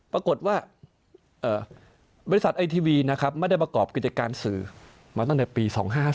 ปรากฏว่าบริษัทไอทีวีนะครับไม่ได้ประกอบกิจการสื่อมาตั้งแต่ปี๒๕๕๙